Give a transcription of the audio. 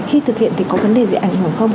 khi thực hiện thì có vấn đề gì ảnh hưởng không